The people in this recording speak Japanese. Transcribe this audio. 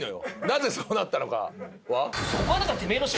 なぜそうなったのかは？